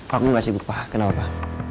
aku gak sibuk pak kenapa